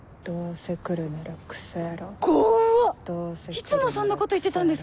いつもそんなこと言ってたんですか？